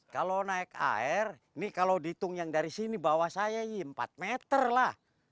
kalau naik air ini kalau dihitung yang dari sini bawah saya ini empat meter lah